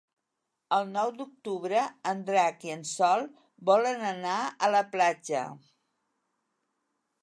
El nou d'octubre en Drac i en Sol volen anar a la platja.